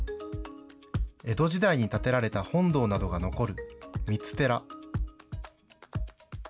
江戸時代に建てられた本堂などが残る三津寺。